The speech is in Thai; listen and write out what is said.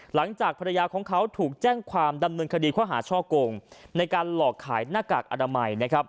หลังจากภรรยาของเขาถูกแจ้งความดำเนินคดีข้อหาช่อกงในการหลอกขายหน้ากากอนามัยนะครับ